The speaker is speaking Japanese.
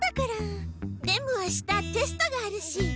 でもあしたテストがあるし。